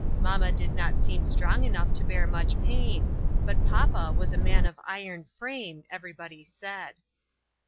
Mamma did not seem strong enough to bear much pain, but papa was a man of iron frame, everybody said.